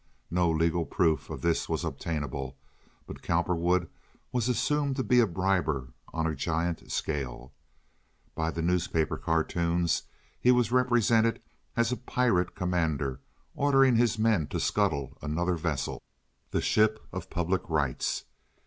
No legal proof of this was obtainable, but Cowperwood was assumed to be a briber on a giant scale. By the newspaper cartoons he was represented as a pirate commander ordering his men to scuttle another vessel—the ship of Public Rights.